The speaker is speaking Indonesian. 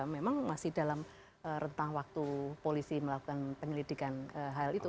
memang masih dalam rentang waktu polisi melakukan penyelidikan hal itu